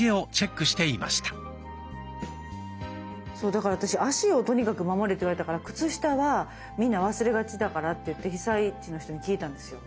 そうだから私足をとにかく守れって言われたから靴下はみんな忘れがちだからっていって被災地の人に聞いたんですよ。